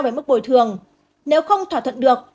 về mức bồi thường nếu không thỏa thuận được